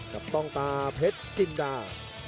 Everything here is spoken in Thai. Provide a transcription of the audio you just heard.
ต้องตาเพชรจินดา